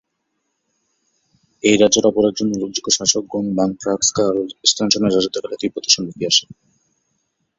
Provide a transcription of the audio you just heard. এই রাজ্যের অপর একজন উল্লেখযোগ্য শাসক গোং-মা-গ্রাগ্স-পা-র্গ্যাল-ম্ত্শানের রাজত্বকালে তিব্বতে সমৃদ্ধি আসে।